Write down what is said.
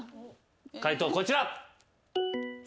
解答こちら。